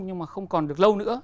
nhưng mà không còn được lâu nữa